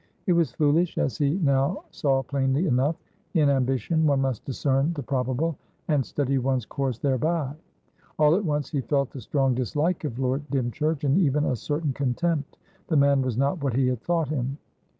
It was foolish, as he now saw plainly enough; in ambition, one must discern the probable, and steady one's course thereby. All at once, he felt a strong dislike of Lord Dymchurch, and even a certain contempt. The man was not what he had thought him.